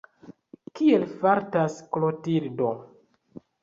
Kiel fartas Klotildo?